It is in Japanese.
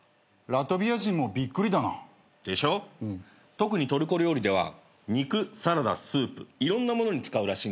特にトルコ料理では肉サラダスープいろんなものに使うらしい。